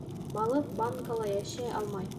Балыҡ банкала йәшәй алмай.